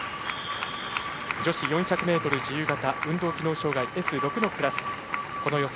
女子４００ｍ自由形運動機能障がいＳ６のクラスこの予選